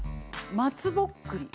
松ぼっくり